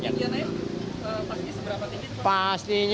jadi aneh pasti seberapa tinggi